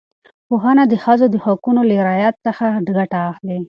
ټولنه د ښځو د حقونو له رعایت څخه ګټه اخلي.